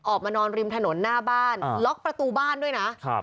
ออกมานอนริมถนนหน้าบ้านล็อกประตูบ้านด้วยนะครับ